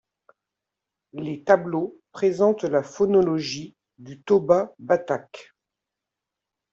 Les tableaux présentent la phonologie du toba batak.